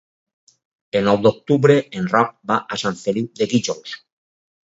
El nou d'octubre en Roc va a Sant Feliu de Guíxols.